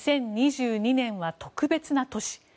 １２０２２年は特別な年。